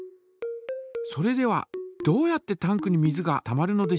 それではどうやってタンクに水がたまるのでしょうか。